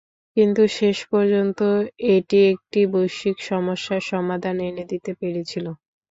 কিন্তু শেষ পর্যন্ত এটি একটি বৈশ্বিক সমস্যার সমাধান এনে দিতে পেরেছিল।